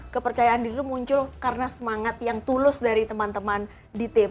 kepercayaan diri itu muncul karena semangat yang tulus dari teman teman di tim